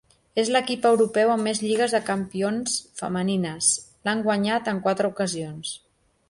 És l'equip europeu amb més Lligues de Campions femenines: l'han guanyat en quatre ocasions.